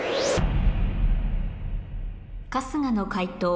春日の解答